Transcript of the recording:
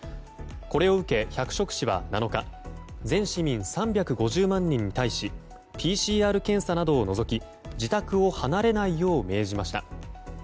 これを受け百色市は７日全市民３５０万人に対しＰＣＲ検査などを除き自宅を離れないよう命じました。